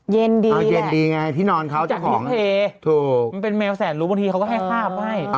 เย็นดีแหละจากพิเภยมันเป็นแมวแสนลุ้มบางทีเขาก็ให้ข้าบให้